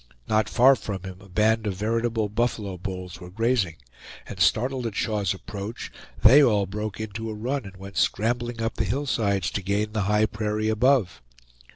Not far from him a band of veritable buffalo bulls were grazing; and startled at Shaw's approach, they all broke into a run, and went scrambling up the hillsides to gain the high prairie above.